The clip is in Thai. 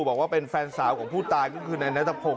บอกว่าเป็นแฟนสาวของผู้ตายก็คือนายนัทพงศ